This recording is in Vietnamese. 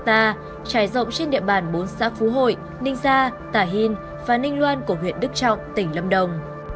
trải rộng trên địa bàn bốn xã phú hội ninh gia tà hìn và ninh loan của huyện đức trọng tỉnh lâm đồng